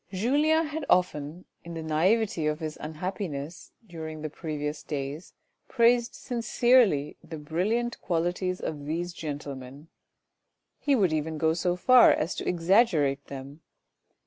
Julien had often in the naivety of his unhappiness, during the previous days praised sinctrely the brilliant qualities of these gentlemen ; he would even go so far as to exaggerate them.